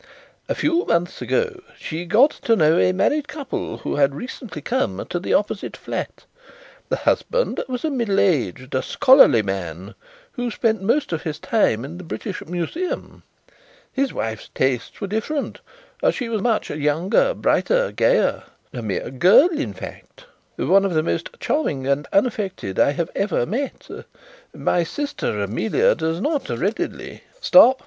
A few months ago she got to know a married couple who had recently come to the opposite flat. The husband was a middle aged, scholarly man who spent most of his time in the British Museum. His wife's tastes were different; she was much younger, brighter, gayer; a mere girl in fact, one of the most charming and unaffected I have ever met. My sister Amelia does not readily " "Stop!"